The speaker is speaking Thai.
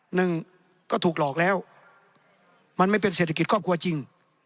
หนึ่งก็ถูกหลอกแล้วมันไม่เป็นเศรษฐกิจครอบครัวจริง